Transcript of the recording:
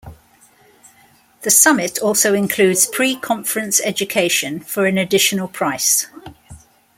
The Summit also includes preconference education for an additional price.